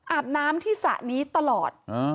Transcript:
อาบน้ำที่สระนี้ตลอด